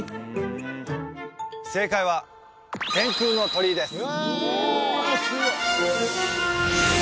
正解は「天空の鳥居」です